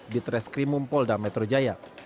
di treskrimum polda metro jaya